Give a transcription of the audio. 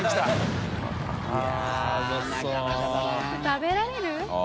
食べられる？